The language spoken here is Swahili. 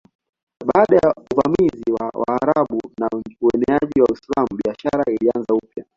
Baada ya uvamizi wa Waarabu na uenezaji wa Uislamu biashara ilianza upya.